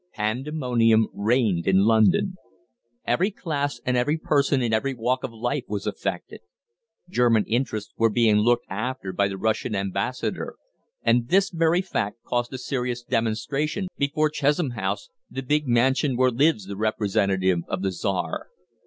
Pandemonium reigned in London. Every class and every person in every walk of life was affected. German interests were being looked after by the Russian Ambassador, and this very fact caused a serious demonstration before Chesham House, the big mansion where lives the representative of the Czar.